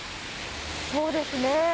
そうですね。